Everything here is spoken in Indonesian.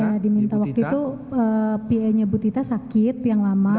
nah diminta waktu itu pa nya bu tita sakit yang lama